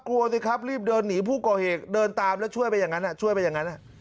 กลัวสิครับรีบเดินหนีผู้ก่อเหตุเดินตามแล้วช่วยไปอย่างนั้นช่วยไปอย่างนั้น